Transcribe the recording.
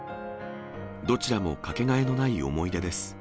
どちらもかけがえのない思い出です。